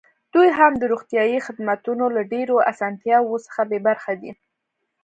دوی هم د روغتیايي خدمتونو له ډېرو اسانتیاوو څخه بې برخې دي.